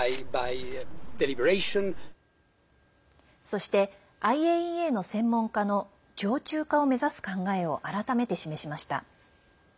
そして、ＩＡＥＡの専門家の常駐化を目指す考えを改めて示しました。